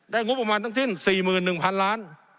ได้งบประมาณตั้งที่๔๑๐๐๐ล้าน